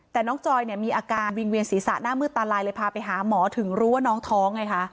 แต่น้องจอยเนี่ยมีอาการวิ่งเวียนศีรษะหน้ามืดตาลายเลยพาไปหาหมอถึงรู้ว่าน้องท้องไงคะ